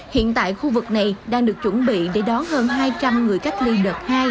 hiện tại khu vực này đang được chuẩn bị để đón hơn hai trăm linh người cách ly đợt hai